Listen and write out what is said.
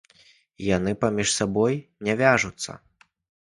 І яны паміж сабой не вяжуцца.